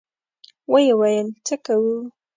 ويې ويل: څه کوو؟